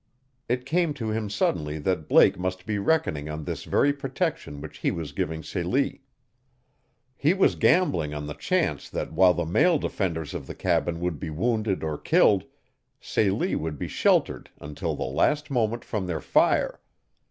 It came to him suddenly that Blake must be reckoning on this very protection which he was giving Celie. He was gambling on the chance that while the male defenders of the cabin would be wounded or killed Celie would be sheltered until the last moment from their fire.